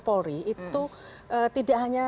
polri itu tidak hanya